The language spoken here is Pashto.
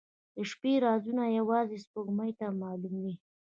• د شپې رازونه یوازې سپوږمۍ ته معلوم دي.